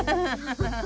ハハハハハ。